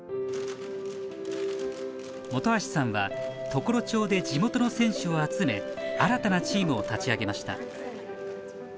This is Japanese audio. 本橋さんは常呂町で地元の選手を集め新たなチームを立ち上げました。